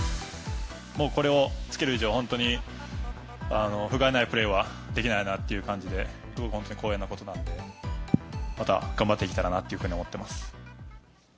もうこれをつける以上、本当にふがいないプレーはできないなっていう感じで、光栄なことなので、また頑張っていけたらなというふうに思ってます。